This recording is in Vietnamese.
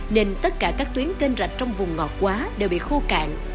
nên tất cả các tuyến kênh rạch trong vùng ngọt quá đều bị khô cạn